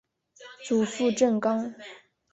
祖父郑刚。